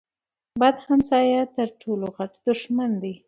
بد همسایه تر ټولو غټ دښمن دی.